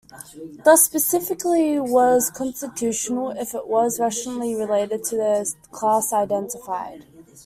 Thus, specificity was constitutional if it was rationally related to the class identified.